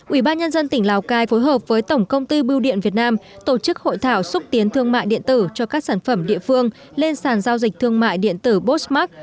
ủy ban nhân dân tỉnh lào cai phối hợp với tổng công ty bưu điện việt nam tổ chức hội thảo xúc tiến thương mại điện tử cho các sản phẩm địa phương lên sàn giao dịch thương mại điện tử bosmac